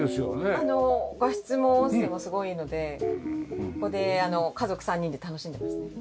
画質も音声もすごいいいのでここで家族３人で楽しんでますね。